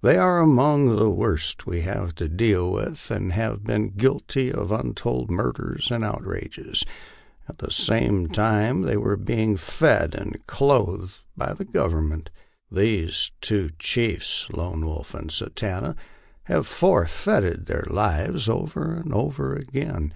They are among the worst Indians we have to deal with, and have been guilty of untold murders and outrages, at the same time they were being fed and clothed by the Government. These two chiefs, Lone Wolf and Satanta, have forfeited their lives over and over again.